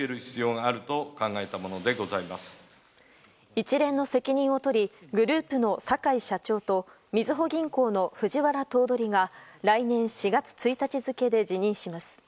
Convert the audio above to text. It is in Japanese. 一連の責任を取りグループの坂井社長とみずほ銀行の藤原頭取が来年４月１日付で辞任します。